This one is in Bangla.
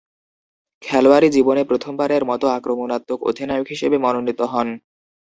খেলোয়াড়ী জীবনে প্রথমবারের মতো আক্রমণাত্মক অধিনায়ক হিসেবে মনোনীত হন।